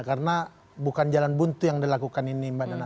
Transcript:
karena bukan jalan buntu yang dilakukan ini mbak nana